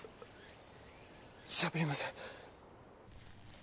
しゃべりません。